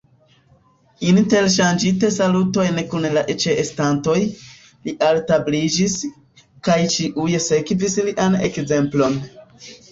Interŝanĝinte salutojn kun la ĉeestantoj, li altabliĝis, kaj ĉiuj sekvis lian ekzemplon.